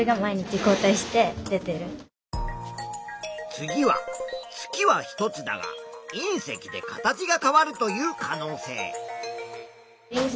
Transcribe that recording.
次は月は１つだがいん石で形が変わるという可能性。